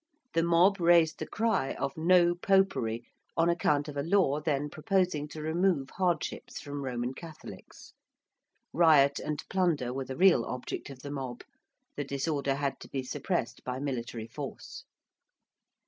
The mob raised the cry of 'No Popery' on account of a law then proposing to remove hardships from Roman Catholics. Riot and plunder were the real object of the mob. The disorder had to be suppressed by military force.